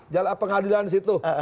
jalan pengadilan di situ